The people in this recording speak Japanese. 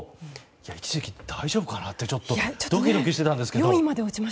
一時期、大丈夫かなってドキドキしてたんですけど。